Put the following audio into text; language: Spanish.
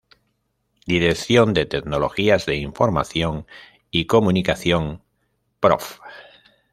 Dirección de Tecnologías de Información y Comunicación: Prof.